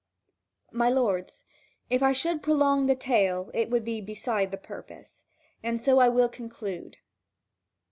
(Vv. 7120 7134.) My lords, if I should prolong my tale, it would be beside the purpose, and so I will conclude.